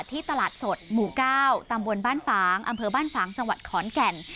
ที่ตลาดสดหมู่๙ตำบลบ้านฟ้างอำเภอบ้านฝางจังหวัดขอนแก่น